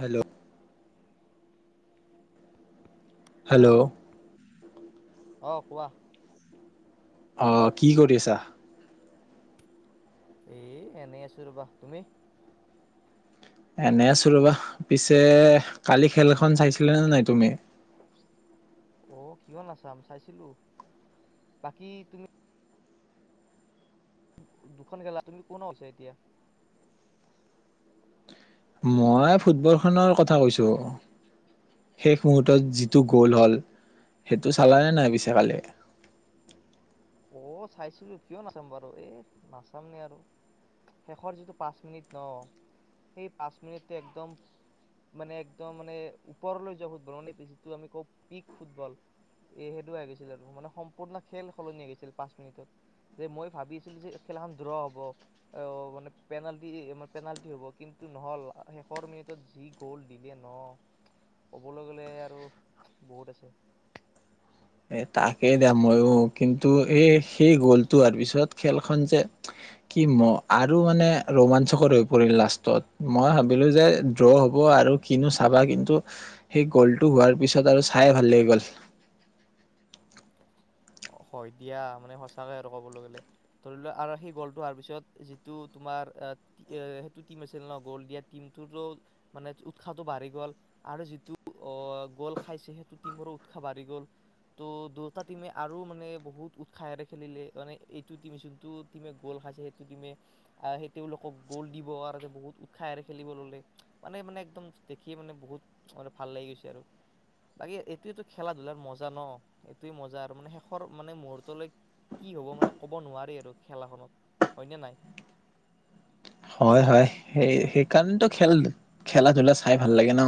Hello hello অ, কোৱা। অ, কি কৰি আছা? এ এনেই আছো ৰবা, তুমি? এনে আছো ৰ'বা পিছে কালি খেলখন চাইছিলানে নাই তুমি? অ' কিয় নাচাম, চাইছিলো। বাকী তুমি দুখন গেলা তুমি কত আছা এতিয়া? মই ফুটবলখনৰ কথা কৈছোঁ। শেষ মূহুৰ্তত যিটো গ'ল হ'ল সেইটো চাল নে নাই পিছে কালি? অ চাইছিলো কিয় নাচাম বাৰু এ নাচামনে আৰু শেষৰ যিটো পাঁচ মিনিট ন সেই পাঁচ মিনিট একদম মানে একদম মানে ওপৰলৈ যোৱা ফুটবল মানে যিটো আমি কওঁ পিক ফুটবল এ সেইটো হৈ গৈছিল আৰু মানে সম্পূৰ্ণ খেল সলনি হৈ গৈছিল। পাঁচ মিনিটত যে মই ভাবিছিলো যে খেলখন দ্ৰ হ'ব মানে পেনাল্টি -পেনাল্টি হ'ব কিন্তু নহল শেষৰ মিনিটত যি গ'ল দিলে ন ক'বলৈ গলে আৰু বহুত আছে। এ তাকেই দিয়া মইয়ো কিন্তু এই সেই গ'লটো হোৱাৰ পিছত খেলখন যে কি ম আৰু মানে ৰোমাঞ্চকৰ হৈ পৰিল লাষ্টত মই ভাবিলো যে ড্ৰ হ'ব আৰু কিনো চাবা কিন্তু সেই গ'লটো হোৱাৰ পিছত আৰু চাই ভাল লাগি গ'ল। হয় দিয়া, মানে সঁচাকে আৰু কবলৈ গ'লে ধৰি লোৱা আৰু সেই গ'লটো লোৱাৰ পিছত যিটো তোমাৰ সেইটো টিম আছিল ন, গ'ল দিয়া টিমটো মানে উৎসাহটো বাঢ়ি গ'ল আৰু যিটো অ গ'ল খাইছে সেইটো টিমৰো উৎসাহ বাঢ়ি গ'ল তো দুটা টিমে আৰু মানে মানে বহুত উৎসাহেৰে খেলিলে মানে এইটো টিম যোনটো টিমে গ'ল খাইছে সেইটো টিমে সেই তেওঁলোকক গ'ল দিব আৰু বহুত উৎসাহেৰে খেলিব ল'লে, মানে মানে একদম দেখিয়ে মানে বহুত ভাল লাগি গৈছে আৰু। বাকী এইটো খেলা-ধূলাৰ মজা ন, এইটোৱে মজা আৰু মানে মানে মুহূৰ্তলৈ কি হ'ব মানে ক'ব নোৱাৰি আৰু খেলাখনত হয়নে নাই? হয় হয় সেই সেইকাৰণেতো খেল খেলা ধূলা চাই ভাল লাগে ন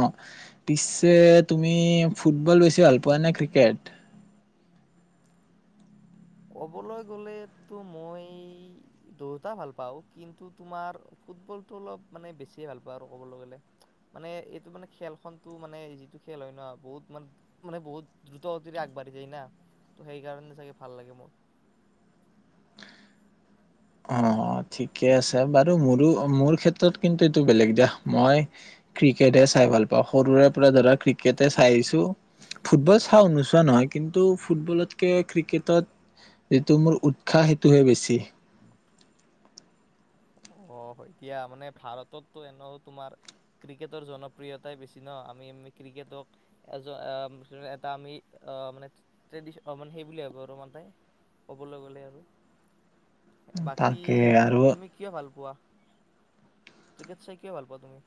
পিছে তুমি ফুটবল বেছি ভাল পোৱা নে ক্ৰিকেট ক'বলৈ গলেতো মই দুইটা ভাল পাওঁ কিন্তু তোমাৰ ফুটবলতটো অলপ মানে বেছি ভাল পাওঁ আৰু ক'বলৈ গলে মানে এইটো মানে খেলখনতো মানে যিটো খেল হয় ন বহুত মানে মানে বহুত দ্ৰুত গতিৰে আগবঢ়ি যায় না‌‌ সেইকাৰণে চাগে ভাল লাগে মোৰ অ' ঠিকে আছে বাৰু মোৰো মোৰ ক্ষেত্ৰত কিন্তু এইটো বেলেগ দিয়া মই ক্ৰিকেটহে চাই ভাল পাওঁ সৰুৰে পৰা ধৰা ক্ৰিকেটে চাই আহিছো ফুটবল চাও নোচোৱা নহয় কিন্তু ফুটবলতকে ক্ৰিকেটত যিটো মোৰ উৎসাহ সেইটোহে বেছি অ' এতিয়া মানে ভাৰততটো এনে তোমাৰ ক্ৰিকেটৰ জনপ্ৰিয়তাই বেছি ন আমি ক্ৰিকেটক এজন এটা আমি মানে সেই বুলি ভাবো আৰু ক'বলৈ গলে আৰু বাকী তাকে আৰু তুমি কিয় ভাল কোৱা ক্ৰিকেট চাই কিয় ভাল পাওঁ তুমি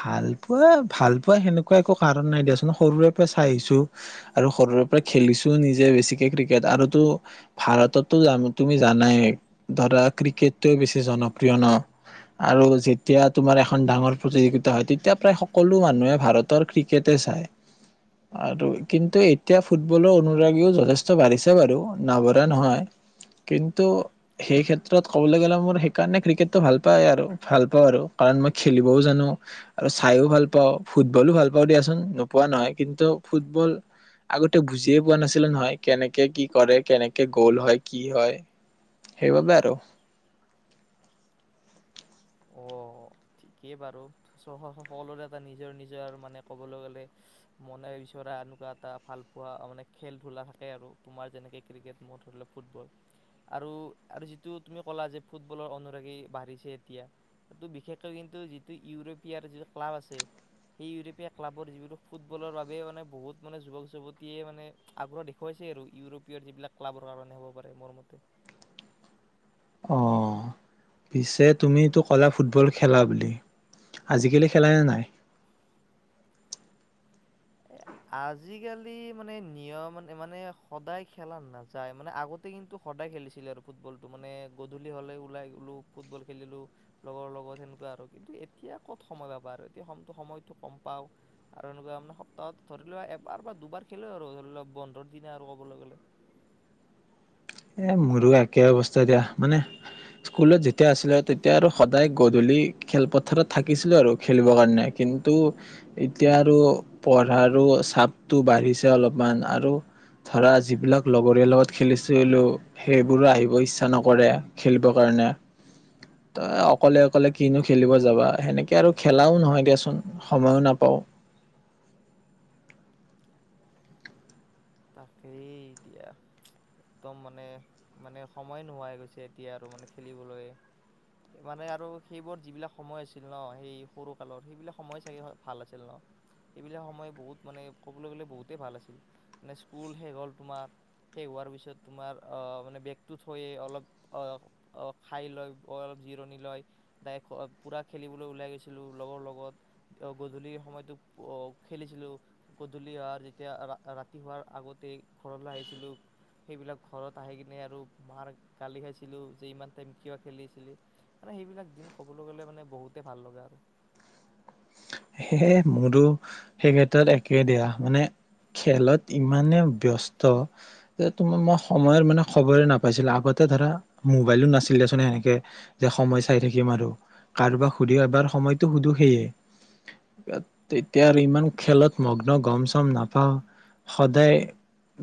ভাল পোৱা ভাল পোৱা সেনেকুৱা একো কাৰণ নাই দিয়াচোন সৰুৰে পৰা চাই আহিছো আৰু সৰুৰে পৰা খেলিছো নিজে বেছিকে ক্ৰিকেট আৰু ভাৰততো তুমি জানাই ধৰা ক্ৰিকেটে বেছি জনপ্ৰিয় ন আৰু যেতিয়া তোমাৰ এখন ডাঙৰ প্ৰতিযোগিতা হয় তেতিয়া প্ৰায় সকলো মানুহে ভাৰতৰ ক্ৰিকেটে চায় আৰু কিন্তু এতিয়া ফুটবলৰ অনুৰাগীও যথেষ্ট বাঢ়িছে বাৰু নভৰা নহয় কিন্তু সেই ক্ষেত্ৰত ক'বলৈ গ'লে মোৰ সেইকাৰণে ক্ৰিকেটটো ভাল পায় আৰু ভাল পাওঁ আৰু কাৰণ মই খেলিবও জানো আৰু চাইও ভাল পাওঁ ফুটবলো ভাল পাওঁ দিয়াচোন নোপোৱা নহয় কিন্তু ফুটবল আগতে বুজিয়ে পোৱা নাছিলে নহয় কেনেকে কি কৰে কেনেকে গ'ল হয় কি হয় সেইবাবে আৰু অ', ঠিকেই বাৰু সকলোৰে এটা নিজৰ নিজৰ মানে ক'বলৈ গ'লে মনে বিচৰা এনেকুৱা এটা ভালপোৱা মানে খেল ধূলা থাকে আৰু তোমাৰ যেনেকে ক্ৰিকেট মোৰ ধৰিলে ফুটবল আৰু আৰু যিটো তুমি ক'লা যে ফুটবলৰ অনুৰাগী বাঢ়িছে এতিয়া সিটো বিশেষ কিন্তু যিটো ইউৰোপীয়াৰ যিটো ক্লাব আছে সেই ইউৰোপীয় ক্লাবৰ যিবোৰ ফুটবলৰ বাবে মানে বহুত মানে যুৱক যুৱতীয়ে মানে আগ্ৰহ দেখুৱাইছেই আৰু ইউৰোপীয় যিবিলাক ক্লাবৰ কাৰণে হ'ব পাৰে মোৰ মতে অ' পিছে তুমিতো ক'লা ফুটবল খেলা বুলি আজিকালি খেলা নে নাই? এ আজিকালি মানে নিয়ম মানে সদায় খেলা নাযায় মানে আগতে কিন্তু সদায় খেলিছিলে আৰু ফুটবলটো মানে গধূলি হ'লে ওলাই গলো ফুটবল খেলিলো লগৰ লগত সেনেকুৱা আৰু কিন্তু এতিয়া ক'ত সময় পাবা আৰু এতিয়া সম সময়তটো কম পাওঁ আৰু এনেকুৱা মানে তাত ধৰি লোৱা এবাৰ বা দুবাৰ খেলো আৰু ধৰি লোৱা বন্ধৰ দিনা আৰু ক'বলৈ গ'লে এ মোৰো একে অৱস্থা দিয়া মানে স্কুলত যেতিয়া আছিলে তেতিয়া আৰু সদায় গধূলি খেলপথাৰত থাকিছিলো আৰু খেলিব কাৰণে কিন্তু এতিয়া আৰু পঢ়াৰো চাপতটো বাঢ়িছে অলপমান আৰু ধৰা যিবিলাক লগৰীয় লগত খেলিছে সেইবোৰো আহিব ইচ্ছা নকৰে খেলিবৰ কাৰণে ত অকলে অকলে কিনো খেলিব যাবা সেনেকে আৰু খেলাও নহয় দিয়াচোন সময়ো নাপাওঁ তাকেই এতিয়া একদম মানে মানে সময় নোহোৱা হৈ গৈছে এতিয়া আৰু মানে খেলিবলৈ মানে আৰু সেইবোৰ যিবিলাক সময় আছিল ন সেই সৰু কালৰ সেইবিলাক সময় চাগে ভাল আছিল ন সেইবিলাক সময় বহুত মানে ক'বলৈ গ'লে বহুতেই ভাল আছিল মানে স্কুল শেষ হ'ল তোমাৰ শেষ হোৱাৰ পিছত তোমাৰ মানে বেগটো থৈয়েই অলপ খাই লয় অলপ জিৰণি লয় ডাইক পূৰা খেলিবলৈ ওলাই গৈছিলোঁ লগৰ লগত গধূলিৰ সময়টো খেলিছিলোঁ গধূলি অহাৰ যেতিয়া তোমাৰ আগতে ঘৰলৈ আহিছিলো সেইবিলাক ঘৰত আহি কিনে আৰু মাৰ গালি খাইছিলো যে ইমান টাইম কিবা খেলিছিলি মানে সেইবিলাক দিন ক'বলৈ গ'লে মানে বহুতে ভাল লগা আৰু সেয়ে মোৰো সেই ক্ষেত্ৰত একে বেয়া মানে খেলত ইমানে ব্যস্ত ‌যে‌ তোমাৰ মই সময়ৰ মানে খবৰে নাপাইছিলো আগতে ধৰা মোবাইলো নাছিলেচোন সেনেকে যে সময় চাই থাকিম আৰু কাৰোবাক সুধি এবাৰ সময়তটো সুধো সেয়ে তেতিয়া আৰু ইমান খেলত মগ্ন গম চম নাপাওঁ সদায়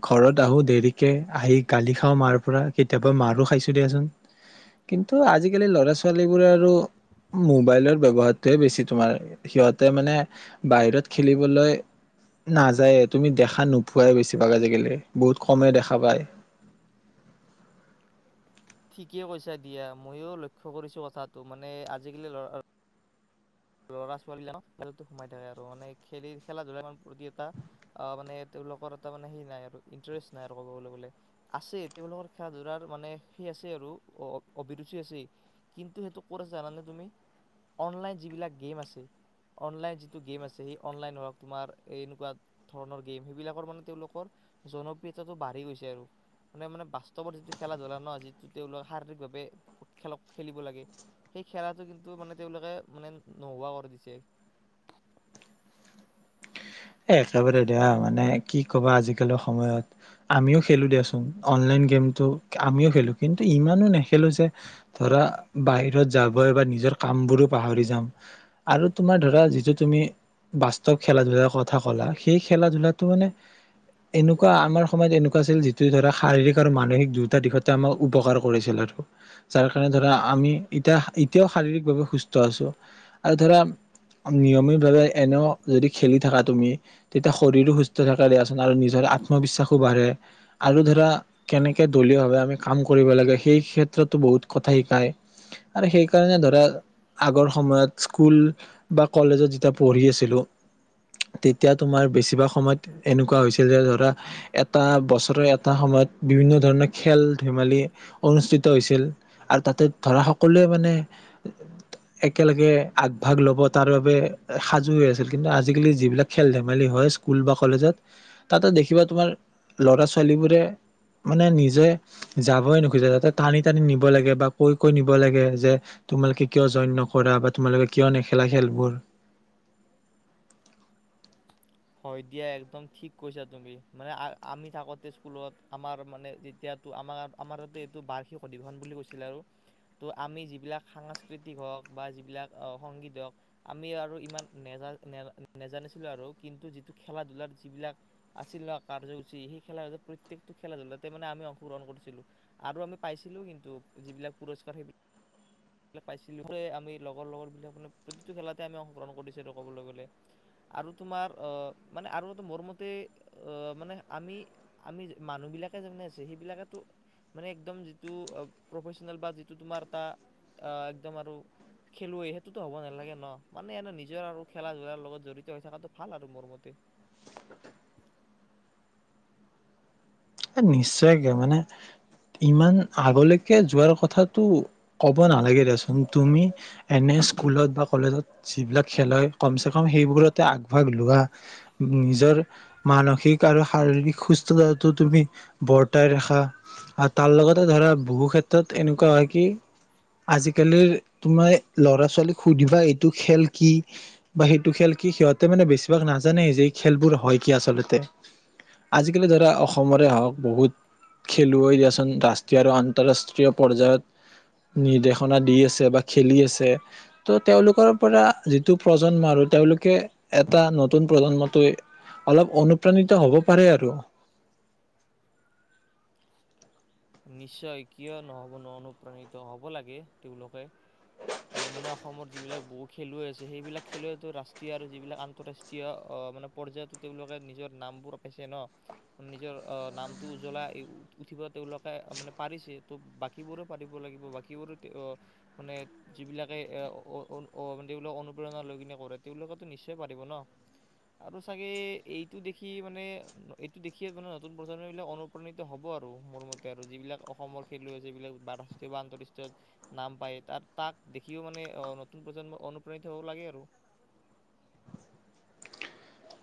ঘৰত আহোঁ দেৰিকে আহি গালি খাওঁ মাৰ পৰা কেতিয়াবা মাৰো খাইছোঁ দিয়াচোন কিন্তু আজিকালি ল'ৰা ছোৱালীবোৰে আৰু মোবাইলৰ ব্যৱহাৰটোহে বেছি তোমাৰ সিহঁতে মানে বাহিৰত খেলিবলৈ নাযায়। তুমি দেখা নোপোৱাই বেছিভাগ আজিকালি বহুত কমে দেখা পায়। ঠিকেই কৈছা দিয়া ময়ো লক্ষ্য কৰিছো কথাটো মানে আজিকালি ল'ৰা ল'ৰা ছোৱালীবিলাকক খেল সোমা থাকে। আৰু মানে খেলি খেলা-ধূলা প্ৰতি এটা মানে তেওঁলোকৰ এটা মে সেই নাই আৰু ইণ্টাৰেষ্ট নাই আৰু ক'ব গলে আছে। তেওঁলোকৰ খেলা-ধূলাৰ মানে সেই আছে আৰু অভিৰুচি আছে কিন্তু সেইটো ক জানানে তুমি অনলাইন যিবিলাক গেম আছে অনলাইন যিটো গেম আছে সেই অনলাইন হৰক তোমাৰ এনেকুৱা ধৰণৰ গেম সেইবিলাকৰ মানে তেওঁলোকৰ জনপ্ৰিয়তাটো বাঢ়ি গৈছে আৰু মানে মানে বাস্তৱত যিটো খেলা ধূলা ন যিটো তেওঁলোকে শাৰীৰিকভাৱে খেল খেলিব লাগে সেই খেলাটো কিন্তু মানে তেওঁলোকে মানে নোহোৱা কৰি দিছে এ একেবাৰে দিয়া মানে কি ক'বা আজিকালৰ সময়ত আমিও খেলো দিয়াচোন অনলাইন গেমটো আমিও খেলো কিন্তু ইমানো নেখেলো যে ধৰা বাহিৰত যাব বা নিজৰ কাম বোৰো পাহৰি যাম আৰু তোমাৰ ধৰা যিটো তুমি বাস্তৱ খেলা ধূলাৰ ক কা সেই খেলা-ধূলাতটো মানে এনেকুৱা আমাৰ সময়ত এনেকুৱা আছিল যিটো ধৰা শাৰীৰিক আৰু মানসিক দুইটা দিশতে আমাক উপকাৰ কৰিছিল আৰু যাৰ কাৰণে ধৰা আমি এতিয়া এতিয়াও শাৰীৰিক ভাৱে সুস্থ আছো আৰু ধৰা নিয়মিতভাৱে এনেও যদি খেলি থকা তুমি তেতিয়া শৰীৰো সুস্থ থাক দিয়াচোন আৰু নিজৰ আত্মবিশ্বাসো বাঢ়ে আৰু ধৰা কেনেকে দলীয়ভাৱে আমি কাম কৰিব লাগে সেই ক্ষেত্ৰতো বহুত কথা শিকায় আৰু সেইকাৰণে ধৰা আগৰ সময়ত স্কুল বা কলেজত যেতিয়া পঢ়ি আছিলো তেতিয়া তোমাৰ বেছিভাগ সময়ত এনেকুৱা হৈছিল যে ধৰা এটা বছৰ এটা সময়ত বিভিন্ন ধৰণৰ খেল ধেমালি অনুষ্ঠিত হৈছিল আৰু তাতে ধৰা সকলোৱে মানে একেলগে আগভাগ ল'ব তাৰ বাবে সাজু হৈ আছিল কিন্তু আজি আজিকালি যিবিলাক খেল ধেমালি হয় স্কুল বা কলেজত তাতে দেখিবা তোমাৰ ল'ৰা ছোৱালীবোৰে মানে নিজে যাবই নোখোজে যাতে টানি টানি নিব লাগে বা কৈ কৈ নিব লাগে যে তোমালোকে কিয় জইন নক কৰা বা তোমালোকে কিয় নেখেলা খেলবোৰ হয় দিয়া একদম ঠিক কৈছা তুমি মানে আমি থাকোঁতে স্কুলত আমাৰ মানে যেতিয়াতো আমাৰ আমাৰ তাতে এইটো বাৰ্ষিক অধিৱেশন বুলি কৈছিলে আৰু ত' আমি যিবিলাক সাংস্কৃতিক হওক বা যিবিলাক সংগীত হওক আমি আৰু ইমান নেজানিছিলোঁ আৰু কিন্তু যিটো খেলা ধলাৰ যিবিলাক আছিল ন কাৰ্যসূচী সেই খেলা ধূলাত প্ৰত্যয়েক টো খেলা ধূলাতে মানে আমি অংশগ্ৰহণ কৰিছিলো আৰু আমি পাইছিলো কিন্তু যিবিলাক পুৰস্কাৰ সেইবিলাক সিবিলাক পাইছিলোঁ আমি লগৰ লগৰবিলাক মানে প্ৰতিটো খেলাতে আমি অংশগ্ৰহণ কৰিছিলো ক'বলৈ গ'লে আৰু তোমাৰ মানে আৰু এ মোৰ মতে মানে আমি আমি মানুহবিলাকে যোননে আছে সেইবিলাকেতো মানে একদম যিটো প্ৰফেচনেল বা যিটো তোমাৰ এটা আহ একদম আৰু খেলুৱৈ সেইটোতো হ'ব নালাগে ন মানে এনে নিজৰ আৰু খেলা ধূলাৰ লগত জড়িত হৈ থকাটো ভাল আৰু মোৰ মতে নিশ্চয়কে মানে ইমান আগলৈকে যোৱাৰ কথাটো ক'ব নালাগে দেচোন তুমি এনে স্কুলত বা কলেজত যিবিলাক খেল হয় কমচে কম সেইবোৰতে আগভাগ লোৱা নিজৰ মানসিক আৰু শাৰীৰিক সুস্থতাটো তুমি বৰ্তাই ৰখা আৰু তাৰ লগতে ধৰা বহু ক্ষেত্ৰত এনেকুৱা হয় কি আজিকালিৰ তোমাৰ ল'ৰা-ছোৱালীক সুধিবা এইটো খেল কি বা সেইটো খেল কি সিহঁতে মানে বেছিভাগ নাজানে যে এই খেলবোৰ হয় কি আচলতে আজিকালি ধৰা অসমত হক বহুত খেলুৱৈ দিয়াচোন ৰাষ্ট্ৰীয় আৰু আন্তৰাষ্ট্ৰীয় পৰ্যায়ত নিৰ্দেশনা দি আছে বা খেলি আছে ত' তেওঁলোকৰ পৰা যিটো প্ৰজন্ম আৰু তেওঁলোকে এটা নতুন প্ৰজন্মটো অলপ অনুপ্ৰাণিত হ'ব পাৰে আৰু নিশ্চয় কিয় নহব ন অনুপ্ৰাণিত হব লাগে তেওঁলোকে ত' মানে অসমৰ যিবিলাক বহু খেলুৱৈ আছে সেইবিলাক খেলুৱৈ ৰাষ্ট্ৰীয় আৰু যিবিলাক আন্তঃৰাষ্ট্ৰীয় মানে পৰ্যায়তো তেওঁলোকে নিজৰ নামবোৰপাইছে ন নিজৰ নামটো উজ্বলাই উঠিব তেওঁলোক মানে পাৰিছে ত' বাকীবোৰো পাৰিব লাগিব বাকীবোৰো মানে যিবিলাকে তেওঁবিলাক অনুপ্ৰেৰণা লৈ কিনে কৰে তেওঁলোকেতো নিশ্চয় পাৰিব ন আৰু চাগে এইটো দেখি মানে এইটো দেখিয়ে মানে নতুন প্ৰজন্মবিলাক অনুপ্ৰাণিত হ'ব আৰু মোৰ মতে আৰু যিবিলাক অসমৰ খেলুৱৈ আছে, যিবিলাক ৰাষ্ট্ৰীয় বা আন্তঃৰাষ্ট্ৰীয়ত নাম পায় তাত তাক দেখিও মানে নতুন প্ৰজন্ম অনুপ্ৰাণিত হ'ব লাগে আৰু।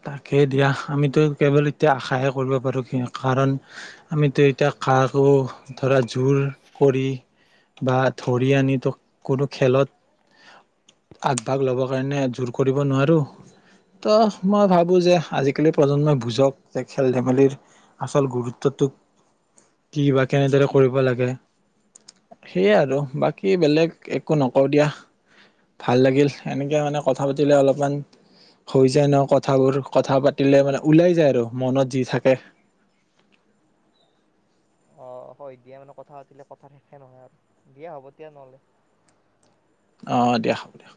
তাকে দিয়া। আমিতো কেৱল এতিয়া আশাহে কৰিব পাৰো, কাৰণ আমিতো এতিয়া কাকো ধৰা জোৰ কৰি বা ধৰি আনি তো কোনো খেলত আগভাগ ল'ব কাৰণে জোৰ কৰিব নোৱাৰো তো মই ভাবোঁ যে আজিকালি প্ৰজন্মই বুজক যে খেল-ধেমালিৰ আচল গুৰুত্বটো কি বা কেনেদৰে কৰিব লাগে, সেয়াই আৰু বাকী বেলেগ একো নকওঁ দিয়া। ভাল লাগিল। এনেকে মানে কথা পাতিলে অলপমান হৈ যায় ন। কথাবোৰ, কথা পাতিলে মানে ওলাই যায় আৰু মনত যি থাকে। অ, হয় দিয়া মানে কথা পাতিলে কথাৰ শেষে নহয় আৰু, দিয়া হ'ব দিয়া নহ'লে। অঁ দিয়া হ'ব দিয়া।